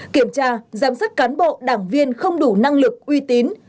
kiểm tra giám sát cán bộ đảng viên không đủ năng lực uy tín